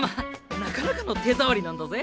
なかなかの手触りなんだぜ。